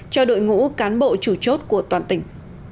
cho đội ngũ cán bộ chủ chốt của toàn tỉnh